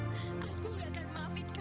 kamu tak memutuhkan anak aku